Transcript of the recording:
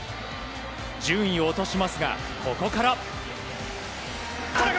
順位を落としますがここから。